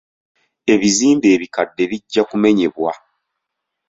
Ebizimbe ebikadde bijja kumenyebwa.